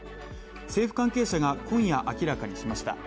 政府関係者が今夜明らかにしました。